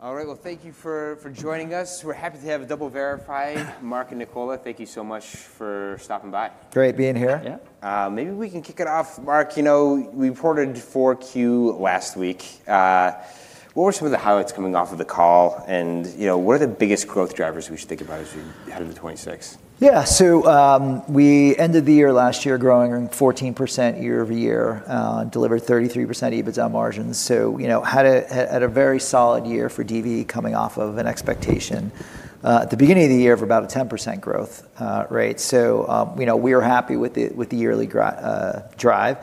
All right. Well, thank you for joining us. We're happy to have DoubleVerify. Mark and Nicola, thank you so much for stopping by. Great being here. Yeah. Maybe we can kick it off, Mark. You know, we reported 4Q last week. What were some of the highlights coming off of the call? You know, what are the biggest growth drivers we should think about as we head into 2026? We ended the year last year growing 14% year-over-year, delivered 33% EBITDA margins. You know, had a very solid year for DV coming off of an expectation at the beginning of the year of about a 10% growth rate. You know, we are happy with the yearly drive.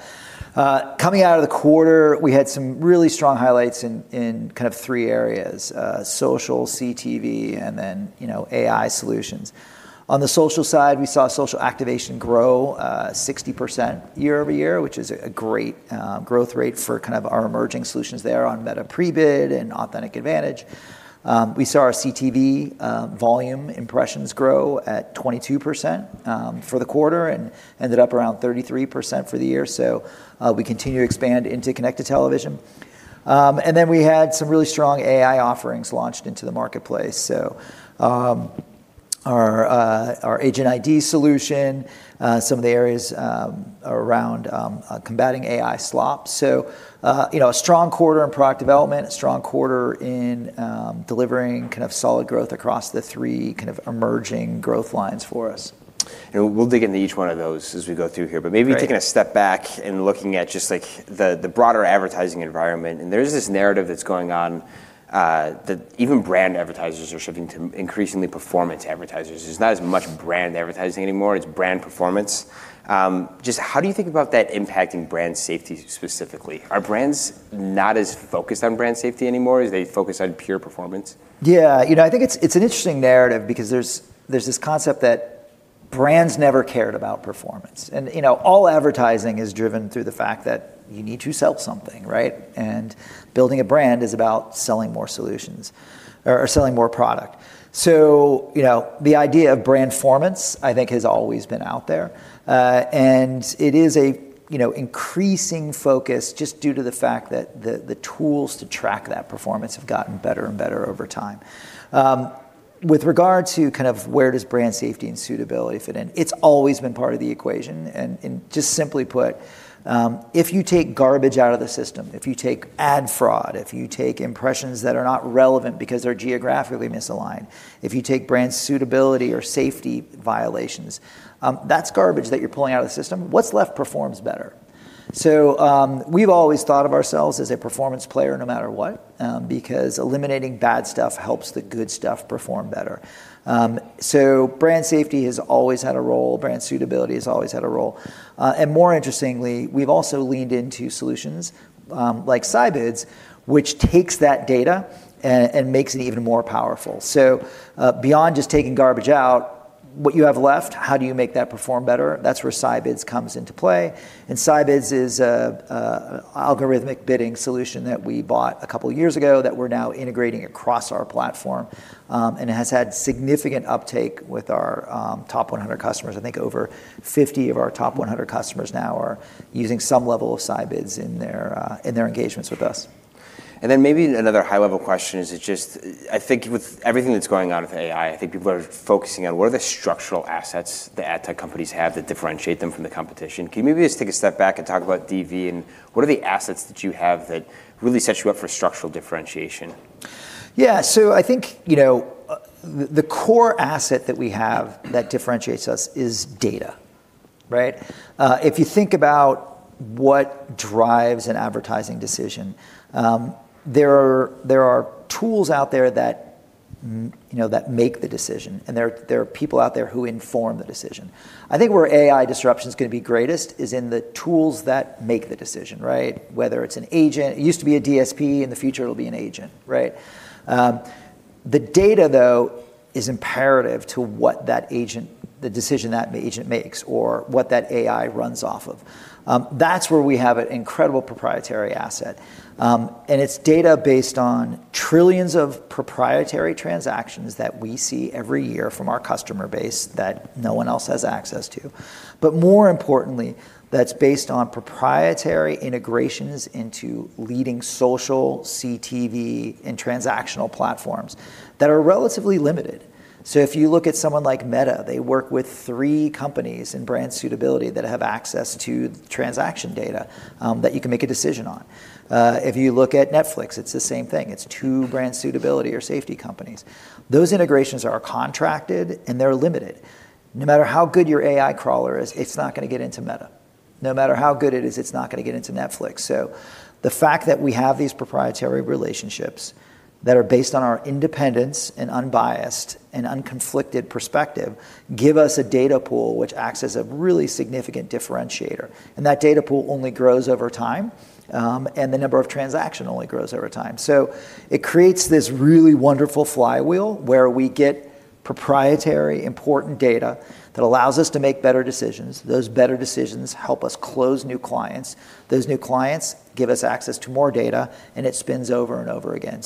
Coming out of the quarter, we had some really strong highlights in kind of three areas: social, CTV, and then, you know, AI solutions. On the social side, we saw social activation grow 60% year-over-year, which is a great growth rate for kind of our emerging solutions there on Meta Prebid and Authentic Advantage. We saw our CTV volume impressions grow at 22% for the quarter and ended up around 33% for the year. We continue to expand into connected television. We had some really strong AI offerings launched into the marketplace. Our Agent ID solution, some of the areas around combating AI slop. A strong quarter in product development, a strong quarter in delivering kind of solid growth across the three kind of emerging growth lines for us. We'll dig into each one of those as we go through here. Right. Maybe taking a step back and looking at just, like, the broader advertising environment, there's this narrative that's going on, that even brand advertisers are shifting to increasingly performance advertisers. There's not as much brand advertising anymore, it's brand performance. Just how do you think about that impacting brand safety specifically? Are brands not as focused on brand safety anymore? Are they focused on pure performance? Yeah. You know, I think it's an interesting narrative because there's this concept that brands never cared about performance. You know, all advertising is driven through the fact that you need to sell something, right? Building a brand is about selling more solutions or selling more product. You know, the idea of Brandformance, I think, has always been out there. And it is a, you know, increasing focus just due to the fact that the tools to track that performance have gotten better and better over time. With regard to kind of where does brand safety and suitability fit in, it's always been part of the equation. Just simply put, if you take garbage out of the system, if you take ad fraud, if you take impressions that are not relevant because they're geographically misaligned, if you take brand suitability or safety violations, that's garbage that you're pulling out of the system. What's left performs better. We've always thought of ourselves as a performance player no matter what, because eliminating bad stuff helps the good stuff perform better. Brand safety has always had a role, brand suitability has always had a role. More interestingly, we've also leaned into solutions, like Scibids, which takes that data and makes it even more powerful. Beyond just taking garbage out, what you have left, how do you make that perform better? That's where Scibids comes into play. Scibids is a algorithmic bidding solution that we bought a couple of years ago that we're now integrating across our platform. It has had significant uptake with our top 100 customers. I think over 50 of our top 100 customers now are using some level of Scibids in their engagements with us. Maybe another high-level question, I think with everything that's going on with AI, I think people are focusing on what are the structural assets that ad tech companies have that differentiate them from the competition? Can you maybe just take a step back and talk about DV and what are the assets that you have that really set you up for structural differentiation? I think, you know, the core asset that we have that differentiates us is data, right? If you think about what drives an advertising decision, there are tools out there that you know, that make the decision, and there are people out there who inform the decision. I think where AI disruption is gonna be greatest is in the tools that make the decision, right? Whether it's an agent. It used to be a DSP, in the future, it'll be an agent, right? The data, though, is imperative to what the decision that agent makes or what that AI runs off of. That's where we have an incredible proprietary asset. And it's data based on trillions of proprietary transactions that we see every year from our customer base that no one else has access to. More importantly, that's based on proprietary integrations into leading social, CTV, and transactional platforms that are relatively limited. If you look at someone like Meta, they work with three companies in brand suitability that have access to transaction data that you can make a decision on. If you look at Netflix, it's the same thing. It's two brand suitability or safety companies. Those integrations are contracted, and they're limited. No matter how good your AI crawler is, it's not gonna get into Meta. No matter how good it is, it's not gonna get into Netflix. The fact that we have these proprietary relationships that are based on our independence and unbiased and unconflicted perspective give us a data pool which acts as a really significant differentiator. That data pool only grows over time, and the number of transaction only grows over time. It creates this really wonderful flywheel where we get proprietary important data that allows us to make better decisions. Those better decisions help us close new clients. Those new clients give us access to more data, and it spins over and over again.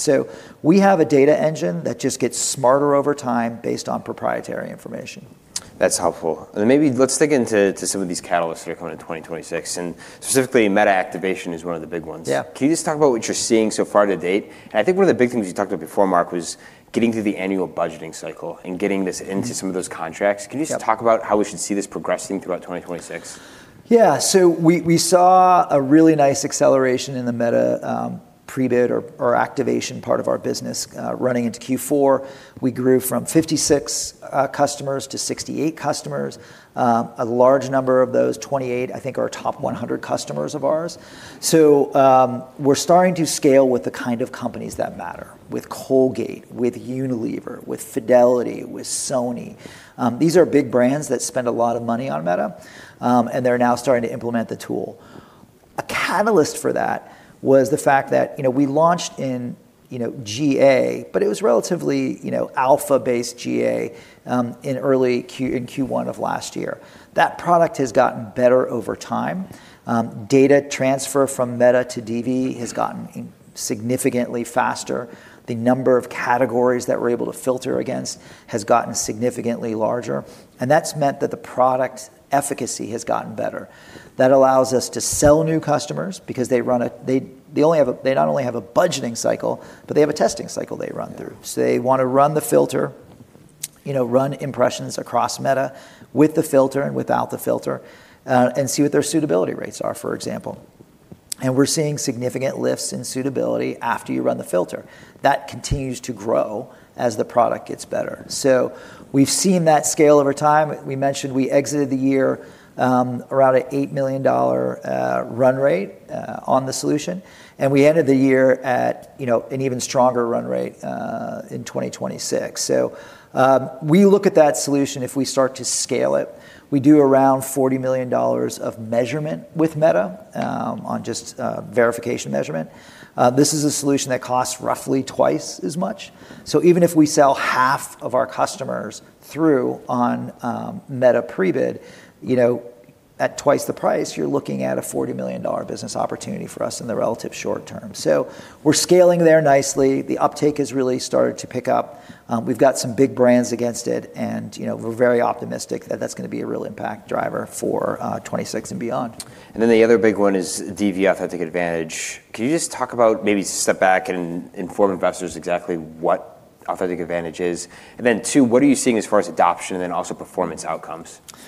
We have a data engine that just gets smarter over time based on proprietary information. That's helpful. Then maybe let's dig into some of these catalysts that are coming in 2026, specifically Meta activation is one of the big ones. Yeah. Can you just talk about what you're seeing so far to date? I think one of the big things you talked about before, Mark, was getting through the annual budgeting cycle and getting this into some of those contracts. Yeah. Can you just talk about how we should see this progressing throughout 2026? Yeah. We saw a really nice acceleration in the Meta pre-bid or activation part of our business running into Q4. We grew from 56 customers to 68 customers. A large number of those 28, I think, are top 100 customers of ours. We're starting to scale with the kind of companies that matter, with Colgate, with Unilever, with Fidelity, with Sony. These are big brands that spend a lot of money on Meta, and they're now starting to implement the tool. A catalyst for that was the fact that, you know, we launched in, you know, GA but it was relatively, you know, alpha-based GA in early Q1 of last year. That product has gotten better over time. Data transfer from Meta to DV has gotten significantly faster. The number of categories that we're able to filter against has gotten significantly larger, and that's meant that the product efficacy has gotten better. That allows us to sell new customers because they not only have a budgeting cycle, but they have a testing cycle they run through. They wanna run the filter, you know, run impressions across Meta with the filter and without the filter, and see what their suitability rates are, for example. We're seeing significant lifts in suitability after you run the filter. That continues to grow as the product gets better. We've seen that scale over time. We mentioned we exited the year, around an $8 million run rate on the solution, and we ended the year at, you know, an even stronger run rate in 2026. We look at that solution if we start to scale it. We do around $40 million of measurement with Meta on just verification measurement. This is a solution that costs roughly twice as much. Even if we sell half of our customers through on Meta Prebid, you know, at twice the price, you're looking at a $40 million business opportunity for us in the relative short term. We're scaling there nicely. The uptake has really started to pick up. We've got some big brands against it and, you know, we're very optimistic that that's gonna be a real impact driver for 2026 and beyond. The other big one is DV Authentic AdVantage. Can you just talk about, maybe step back and inform investors exactly what Authentic AdVantage is? Two, what are you seeing as far as adoption and also performance outcomes? Yeah.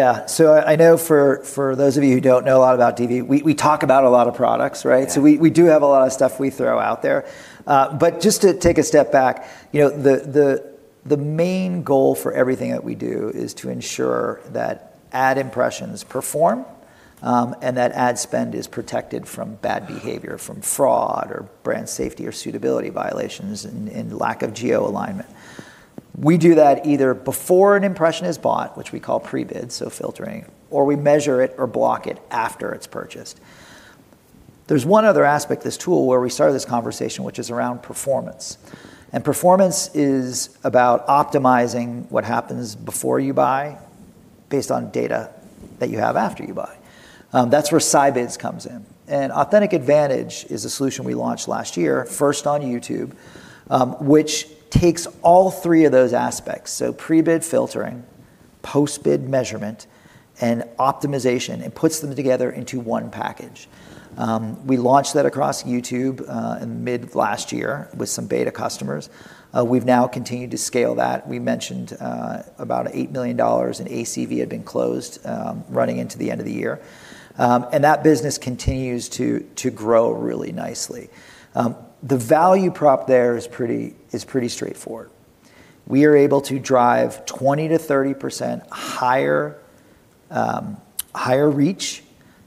I know for those of you who don't know a lot about DV, we talk about a lot of products, right? Yeah. We do have a lot of stuff we throw out there. But just to take a step back, you know, the main goal for everything that we do is to ensure that ad impressions perform, and that ad spend is protected from bad behavior, from fraud or brand safety or suitability violations and lack of geo-alignment. We do that either before an impression is bought, which we call pre-bid, so filtering, or we measure it or block it after it's purchased. There's one other aspect of this tool where we started this conversation, which is around performance. Performance is about optimizing what happens before you buy based on data that you have after you buy. That's where Scibids comes in. Authentic AdVantage is a solution we launched last year, first on YouTube, which takes all three of those aspects, so pre-bid filtering, post-bid measurement, and optimization, and puts them together into one package. We launched that across YouTube in mid last year with some beta customers. We've now continued to scale that. We mentioned about $8 million in ACV had been closed running into the end of the year. That business continues to grow really nicely. The value prop there is pretty straightforward. We are able to drive 20%-30% higher reach,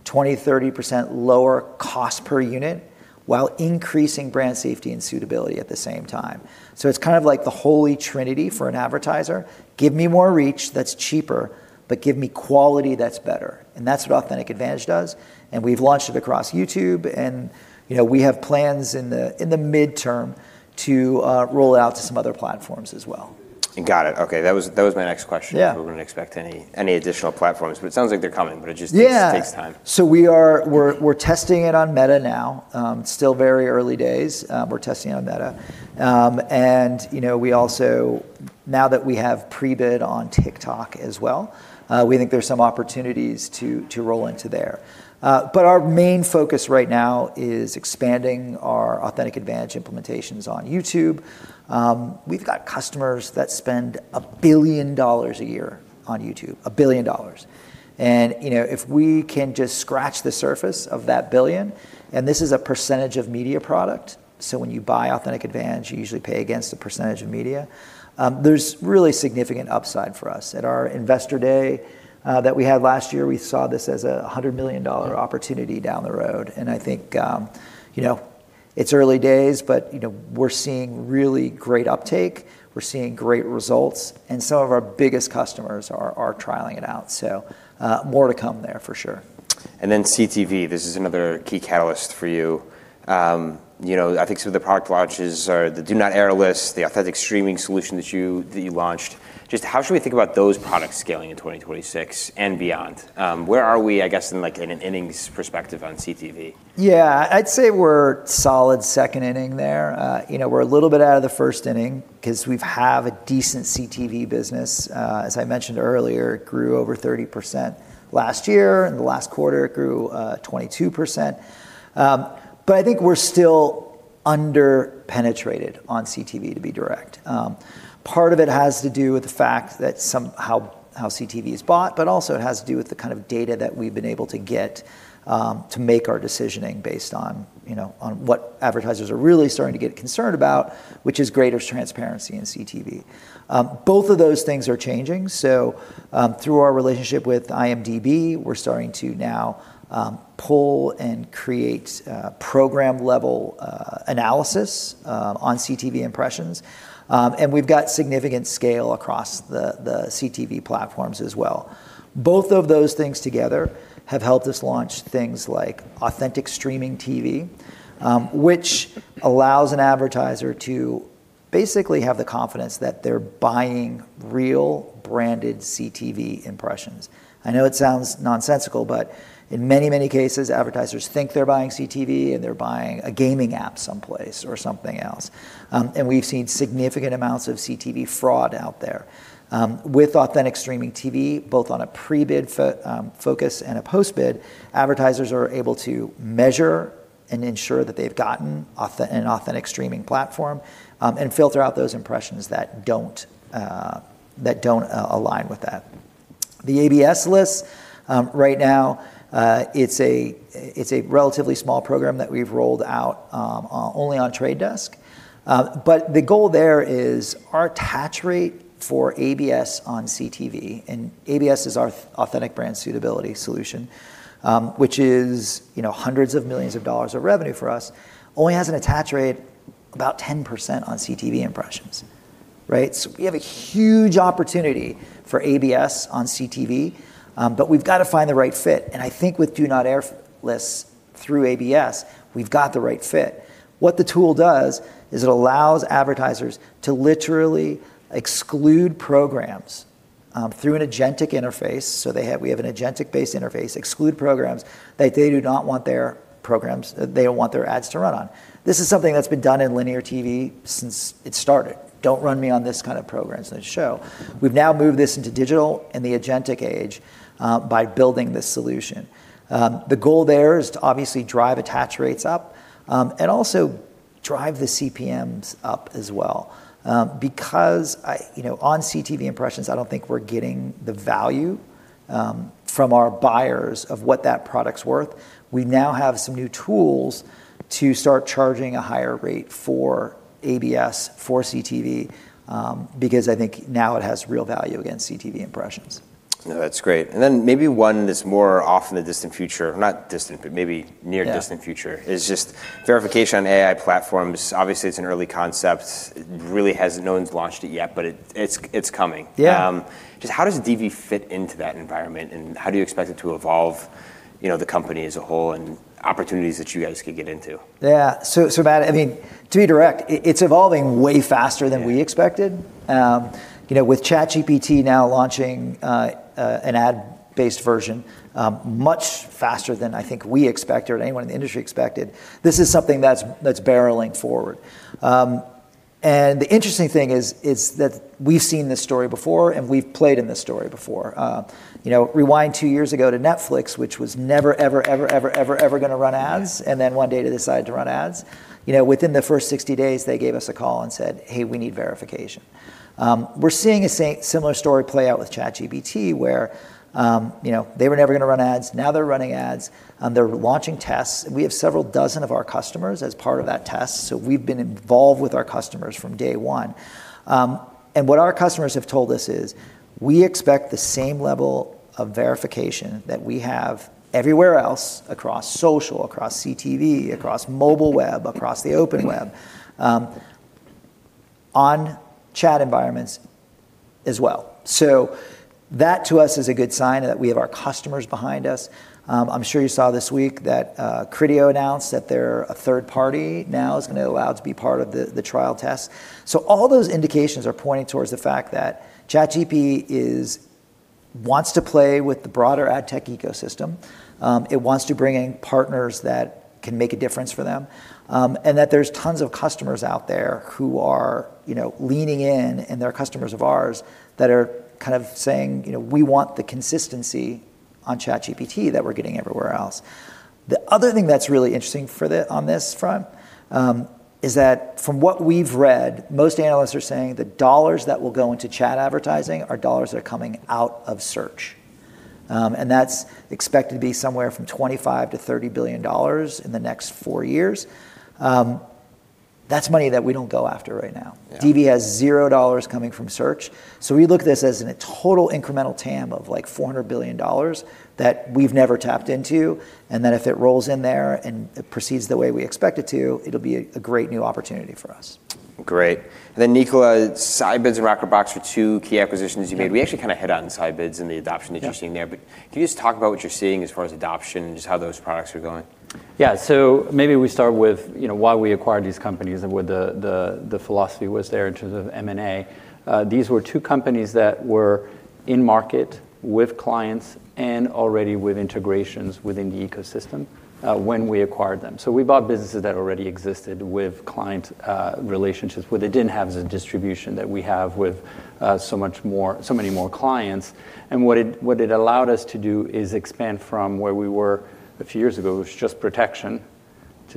20%-30% lower cost per unit, while increasing brand safety and suitability at the same time. It's kind of like the holy trinity for an advertiser. Give me more reach that's cheaper, but give me quality that's better, and that's what Authentic AdVantage does, and we've launched it across YouTube and, you know, we have plans in the, in the midterm to roll it out to some other platforms as well. Got it. Okay. That was my next question. Yeah. We wouldn't expect any additional platforms, but it sounds like they're coming, but it just takes. Yeah... takes time. We're testing it on Meta now. Still very early days. We're testing it on Meta. You know, we also, now that we have pre-bid on TikTok as well, we think there's some opportunities to roll into there. Our main focus right now is expanding our Authentic AdVantage implementations on YouTube. We've got customers that spend $1 billion a year on YouTube, $1 billion, and, you know, if we can just scratch the surface of that $1 billion, and this is a percentage of media product, so when you buy Authentic AdVantage, you usually pay against a percentage of media, there's really significant upside for us. At our investor day, that we had last year, we saw this as a $100 million opportunity down the road, and I think, you know, it's early days, but, you know, we're seeing really great uptake. We're seeing great results, and some of our biggest customers are trialing it out. More to come there for sure. CTV, this is another key catalyst for you. You know, I think some of the product launches are the Do Not Air list, the Authentic Streaming solution that you launched. How should we think about those products scaling in 2026 and beyond? Where are we, I guess, in like in an innings perspective on CTV? Yeah. I'd say we're solid second inning there. You know, we're a little bit out of the first inning 'cause we've a decent CTV business. As I mentioned earlier, it grew over 30% last year. In the last quarter it grew, 22%. I think we're still underpenetrated on CTV to be direct. Part of it has to do with the fact that some how CTV is bought, but also it has to do with the kind of data that we've been able to get to make our decisioning based on, you know, on what advertisers are really starting to get concerned about, which is greater transparency in CTV. Both of those things are changing. Through our relationship with IMDb, we're starting to now pull and create program-level analysis on CTV impressions. We've got significant scale across the CTV platforms as well. Both of those things together have helped us launch things like Authentic Streaming TV, which allows an advertiser to basically have the confidence that they're buying real branded CTV impressions. I know it sounds nonsensical, but in many, many cases, advertisers think they're buying CTV, and they're buying a gaming app someplace or something else. We've seen significant amounts of CTV fraud out there. With Authentic Streaming TV, both on a pre-bid focus and a post-bid, advertisers are able to measure and ensure that they've gotten an authentic streaming platform, and filter out those impressions that don't align with that. The ABS list, right now, it's a relatively small program that we've rolled out only on The Trade Desk. The goal there is our attach rate for ABS on CTV, and ABS is our Authentic Brand Suitability solution, which is, you know, hundreds of millions of dollars of revenue for us, only has an attach rate about 10% on CTV impressions. Right? We have a huge opportunity for ABS on CTV, but we've got to find the right fit. I think with Do Not Air lists through ABS, we've got the right fit. What the tool does is it allows advertisers to literally exclude programs, through an agentic interface. We have an agentic-based interface, exclude programs that they do not want their ads to run on. This is something that's been done in linear TV since it started. Don't run me on this kind of programs and this show." We've now moved this into digital and the agentic age, by building this solution. The goal there is to obviously drive attach rates up, and also drive the CPMs up as well. Because I, you know, on CTV impressions, I don't think we're getting the value from our buyers of what that product's worth. We now have some new tools to start charging a higher rate for ABS, for CTV, because I think now it has real value against CTV impressions. No, that's great. Then maybe one that's more off in the distant future, not distant, but maybe near distant future. Yeah... is just verification on AI platforms. Obviously, it's an early concept. no one's launched it yet, but it's coming. Yeah. Just how does DV fit into that environment, and how do you expect it to evolve, you know, the company as a whole and opportunities that you guys could get into? Yeah. Matt, I mean, to be direct, it's evolving way faster than we expected. Yeah. you know, with ChatGPT now launching an ad-based version, much faster than I think we expected or anyone in the industry expected, this is something that's barreling forward. The interesting thing is that we've seen this story before, and we've played in this story before. you know, rewind two years ago to Netflix, which was never ever gonna run ads. Yeah... one day they decided to run ads. You know, within the first 60 days, they gave us a call and said, "Hey, we need verification." We're seeing a similar story play out with ChatGPT, where, you know, they were never gonna run ads. They're running ads. They're launching tests. We have several dozen of our customers as part of that test, we've been involved with our customers from day one. What our customers have told us is, "We expect the same level of verification that we have everywhere else across social, across CTV, across mobile web, across the open web, on chat environments as well." That to us is a good sign that we have our customers behind us. I'm sure you saw this week that Criteo announced that they're a third party now, is gonna allow to be part of the trial test. All those indications are pointing towards the fact that ChatGPT wants to play with the broader ad tech ecosystem, it wants to bring in partners that can make a difference for them, and that there's tons of customers out there who are, you know, leaning in, and they're customers of ours, that are kind of saying, you know, "We want the consistency on ChatGPT that we're getting everywhere else." The other thing that's really interesting on this front, is that from what we've read, most analysts are saying the dollars that will go into chat advertising are dollars that are coming out of search. That's expected to be somewhere from $25 billion-$30 billion in the next four years. That's money that we don't go after right now. Yeah. DV has $0 coming from search. We look at this as in a total incremental TAM of $400 billion that we've never tapped into, and that if it rolls in there and it proceeds the way we expect it to, it'll be a great new opportunity for us. Great. Nicola, Scibids and Rockerbox were two key acquisitions you made. Yeah. We actually kinda hit on Scibids and the adoption that you've seen there. Yeah. Can you just talk about what you're seeing as far as adoption and just how those products are going? Yeah. Maybe we start with, you know, why we acquired these companies and what the philosophy was there in terms of M&A. These were two companies that were in market with clients and already with integrations within the ecosystem when we acquired them. We bought businesses that already existed with client relationships, but they didn't have the distribution that we have with so much more, so many more clients. What it allowed us to do is expand from where we were a few years ago. It was just protection.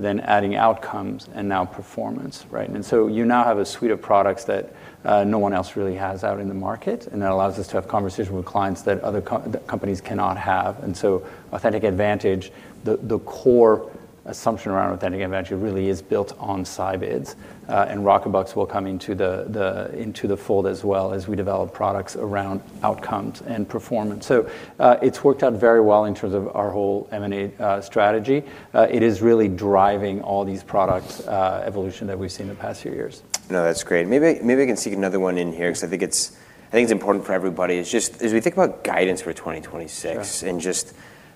Adding outcomes and now performance, right? You now have a suite of products that no one else really has out in the market, and that allows us to have conversations with clients that other companies cannot have. Authentic AdVantage, the core assumption around Authentic AdVantage really is built on Scibids, and Rockerbox will come into the fold as well as we develop products around outcomes and performance. It's worked out very well in terms of our whole M&A strategy. It is really driving all these products' evolution that we've seen in the past few years. No, that's great. Maybe I can sneak another one in here 'cause I think it's important for everybody. It's just as we think about guidance for 2026. Sure Just,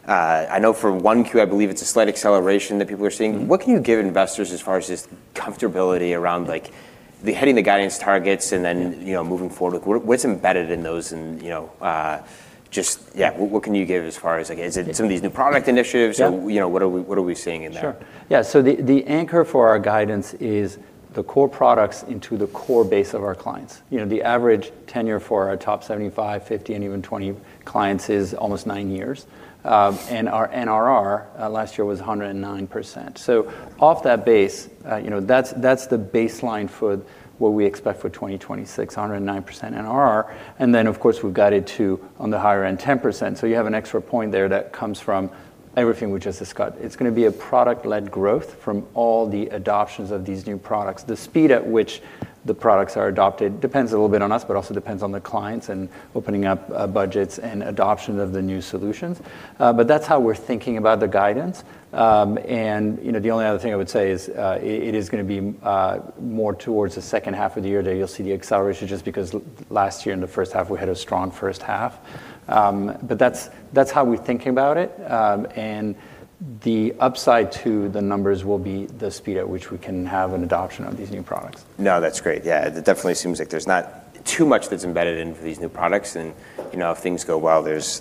I know for 1Q, I believe it's a slight acceleration that people are seeing. Mm-hmm. What can you give investors as far as just comfortability around like the hitting the guidance targets and then, you know, moving forward? Like what's embedded in those and, you know, what can you give as far as like is it some of these new product initiatives-? Yeah... or, you know, what are we seeing in that? Sure. Yeah. The, the anchor for our guidance is the core products into the core base of our clients. You know, the average tenure for our top 75, 50, and even 20 clients is almost nine years. NRR last year was 109%. Off that base, you know, that's the baseline for what we expect for 2026, 109% NRR. Then of course, we've guided to, on the higher end, 10%, so you have an extra one point there that comes from everything we just discussed. It's gonna be a product-led growth from all the adoptions of these new products. The speed at which the products are adopted depends a little bit on us, but also depends on the clients and opening up budgets and adoption of the new solutions. That's how we're thinking about the guidance. You know, the only other thing I would say is it is gonna be more towards the second half of the year that you'll see the acceleration just because last year in the first half we had a strong first half. That's how we're thinking about it. The upside to the numbers will be the speed at which we can have an adoption of these new products. No, that's great. Yeah. It definitely seems like there's not too much that's embedded into these new products and, you know, if things go well, there is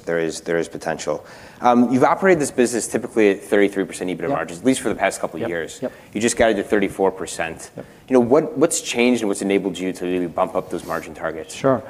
potential. You've operated this business typically at 33% EBITDA margins- Yeah... at least for the past couple of years. Yep. You just guided to 34%. Yep. You know, what's changed and what's enabled you to really bump up those margin targets? Sure.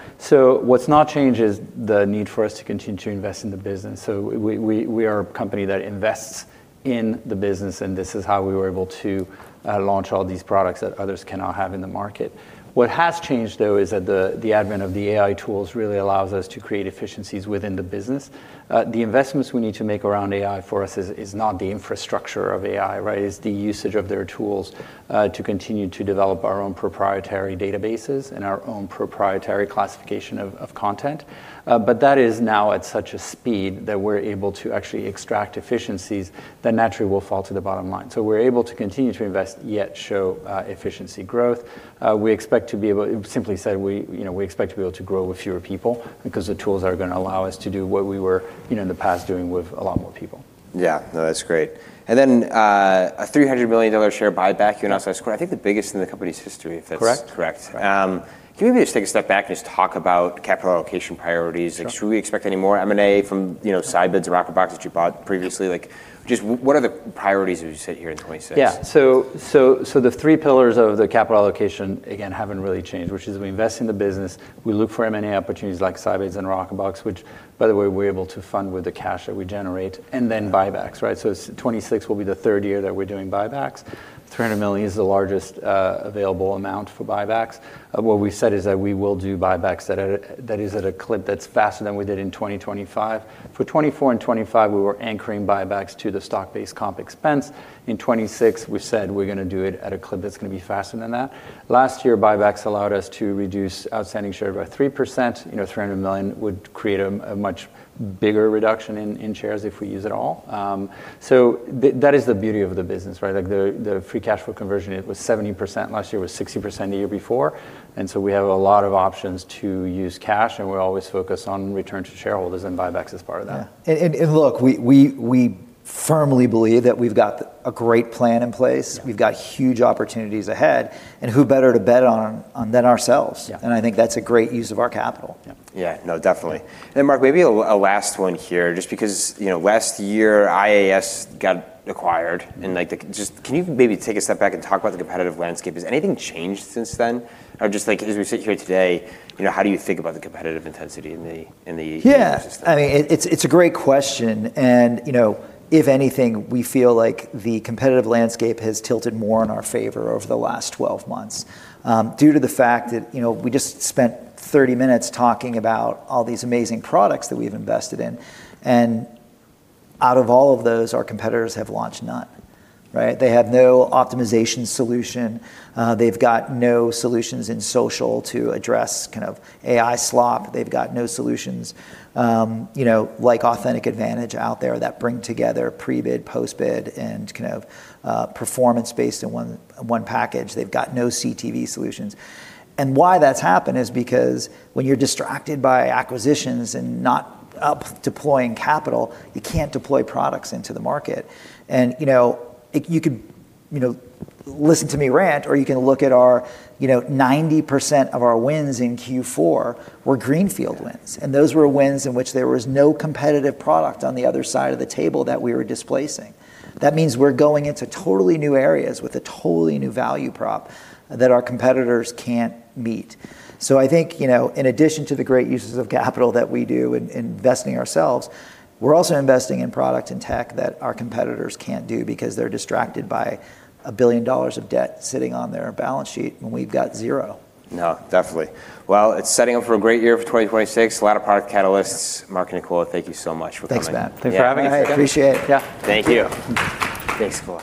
What's not changed is the need for us to continue to invest in the business, so we are a company that invests in the business, and this is how we were able to launch all these products that others cannot have in the market. What has changed, though, is that the advent of the AI tools really allows us to create efficiencies within the business. The investments we need to make around AI for us is not the infrastructure of AI, right? It's the usage of their tools to continue to develop our own proprietary databases and our own proprietary classification of content. That is now at such a speed that we're able to actually extract efficiencies that naturally will fall to the bottom line. We're able to continue to invest, yet show efficiency growth. Simply said, we, you know, we expect to be able to grow with fewer people because the tools are gonna allow us to do what we were, you know, in the past doing with a lot more people. Yeah. No, that's great. A $300 million share buyback you announced last quarter, I think the biggest in the company's history, if that's correct. Correct. Can you maybe just take a step back and just talk about capital allocation priorities? Sure. Like should we expect any more M&A from, you know, Scibids or Rockerbox that you bought previously? Like just what are the priorities as you sit here in 2026? The three pillars of the capital allocation again haven't really changed, which is we invest in the business, we look for M&A opportunities like Scibids and Rockerbox, which by the way, we're able to fund with the cash that we generate, and then buybacks, right? 2026 will be the third year that we're doing buybacks. $300 million is the largest available amount for buybacks. What we said is that we will do buybacks that is at a clip that's faster than we did in 2025. For 2024 and 2025, we were anchoring buybacks to the stock-based compensation expense. In 2026, we said we're gonna do it at a clip that's gonna be faster than that. Last year, buybacks allowed us to reduce outstanding share by 3%. You know, $300 million would create a much bigger reduction in shares if we use it all. That is the beauty of the business, right? Like the free cash flow conversion, it was 70% last year, it was 60% the year before. We have a lot of options to use cash, and we're always focused on return to shareholders and buybacks as part of that. Yeah. look, we firmly believe that we've got a great plan in place. Yeah. We've got huge opportunities ahead, and who better to bet on than ourselves? Yeah. I think that's a great use of our capital. Yeah. Yeah. No, definitely. Mark, maybe a last one here, just because, you know, last year IAS got acquired, and like Just can you maybe take a step back and talk about the competitive landscape? Has anything changed since then? Just like as we sit here today, you know, how do you think about the competitive intensity in the, in the ecosystem? Yeah. I mean, it's, it's a great question and, you know, if anything, we feel like the competitive landscape has tilted more in our favor over the last 12 months, due to the fact that, you know, we just spent 30 minutes talking about all these amazing products that we've invested in, and out of all of those, our competitors have launched none, right? They have no optimization solution. They've got no solutions in social to address kind of AI slop. They've got no solutions, you know, like Authentic AdVantage out there that bring together pre-bid, post-bid, and kind of performance-based in one package. They've got no CTV solutions. Why that's happened is because when you're distracted by acquisitions and not up deploying capital, you can't deploy products into the market. You know, you could, you know, listen to me rant, or you can look at our, you know, 90% of our wins in Q4 were greenfield wins, and those were wins in which there was no competitive product on the other side of the table that we were displacing. That means we're going into totally new areas with a totally new value prop that our competitors can't meet. I think, you know, in addition to the great uses of capital that we do in investing ourselves, we're also investing in product and tech that our competitors can't do because they're distracted by $1 billion of debt sitting on their balance sheet when we've got 0. No, definitely. Well, it's setting up for a great year for 2026. A lot of product catalysts. Mark, Nicola, thank you so much for coming. Thanks, Matt. Yeah. Thanks for having us. I appreciate it. Yeah. Thank you. Thanks a lot.